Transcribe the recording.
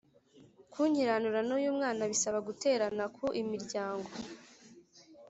kunkiranura n uyu mwana bisaba guterana ku imiryango